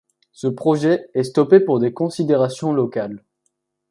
Ce projet est stoppé pour des considérations locales.